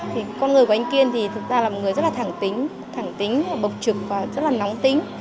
thì con người của anh kiên thì thực ra là một người rất là thẳng tính thẳng tính bộc trực và rất là nóng tính